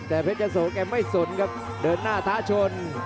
แต่เพชรยะโสแกไม่สนครับเดินหน้าท้าชน